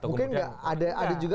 mungkin ada juga